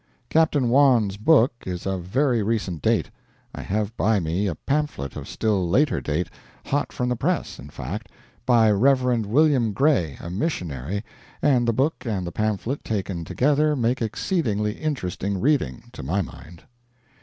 Captain Wawn's book is of very recent date; I have by me a pamphlet of still later date hot from the press, in fact by Rev. Wm. Gray, a missionary; and the book and the pamphlet taken together make exceedingly interesting reading, to my mind.